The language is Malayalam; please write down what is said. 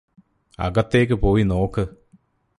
അകത്തേക്ക് പോയി നോക്ക്